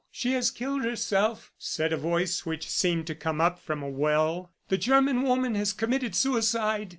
"She has killed herself," said a voice which seemed to come up from a well. "The German woman has committed suicide."